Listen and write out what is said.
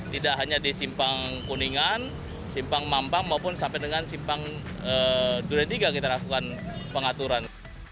tidak hanya di simpang kuningan simpang mampang maupun sampai dengan simpang duren tiga kita lakukan pengaturan